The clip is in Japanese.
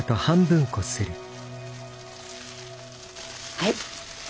はい。